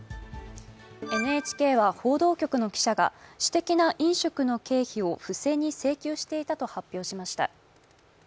ＮＨＫは報道局の記者が私的な飲食の経費を不正に請求していたと発表しました。